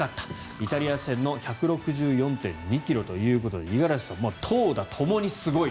イタリア戦の１６４．２ｋｍということで五十嵐さん、投打ともにすごい。